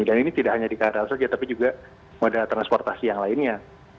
dan ini tidak hanya di krl saja tapi juga pada transportasi yang lainnya